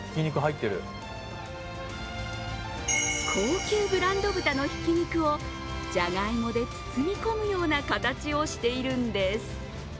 高級ブランド豚のひき肉をじゃがいもで包み込むような形をしているんです。